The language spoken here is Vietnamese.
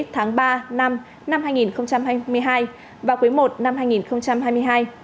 tháng ba năm hai nghìn hai mươi hai và quý một năm hai nghìn hai mươi hai